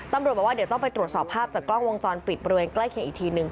ตำรวจบอกว่าเดี๋ยวต้องไปตรวจสอบภาพจากกล้องวงจรปิดบริเวณใกล้เคียงอีกทีนึง